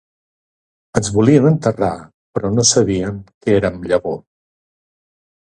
Ens volien enterrar, però no sabien que érem llavor